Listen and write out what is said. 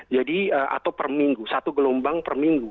jadi atau perminggu satu gelombang perminggu